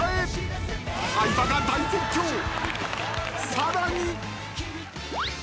［さらに］